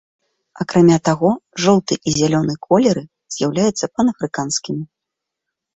Акрамя таго, жоўты і зялёны колеры з'яўляюцца панафрыканскімі.